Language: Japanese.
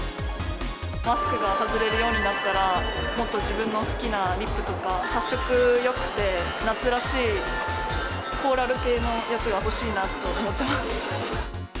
マスクが外れるようになったら、もっと自分の好きなリップとか、発色よくて、夏らしいコーラル系のやつが欲しいなと思ってます。